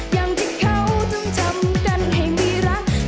อย่างที่เขาจำทำกันให้ไม่รัก